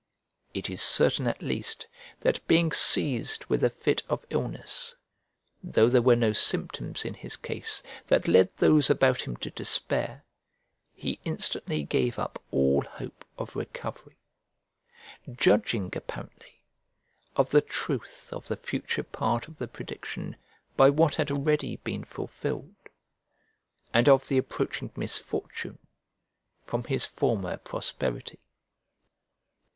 It is certain, at least, that being seized with a fit of illness, though there were no symptoms in his case that led those about him to despair, he instantly gave up all hope of recovery; judging, apparently, of the truth of the future part of the prediction by what had already been fulfilled, and of the approaching misfortune from his former prosperity.